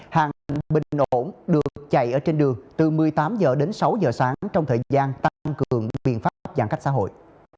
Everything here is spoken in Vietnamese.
hàng bình ổn được chạy trên đường từ một mươi tám h đến sáu h sáng trong thời gian tăng cường viện pháp giãn cách xã hội